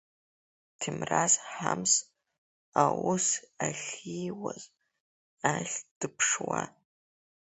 Ҭемраз Ҳамс аус ахьиуаз ахь дыԥшуа.